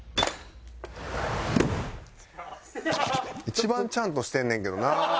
一番ちゃんとしてんねんけどな。